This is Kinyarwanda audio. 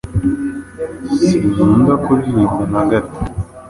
Sinkunda kuririmba na gato.